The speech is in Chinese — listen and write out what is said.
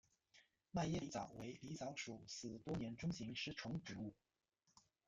迈耶狸藻为狸藻属似多年中型食虫植物。